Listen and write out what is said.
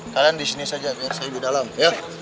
kalian disini saja biar saya di dalam ya